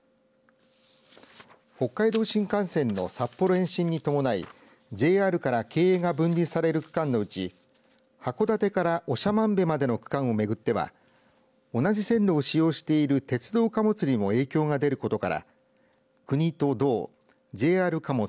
北海道新幹線の札幌延伸に伴いＪＲから経営が分離される区間のうち函館から長万部までの区間を巡っては同じ線路を使用している鉄道貨物にも影響が出ることから国と道ＪＲ貨物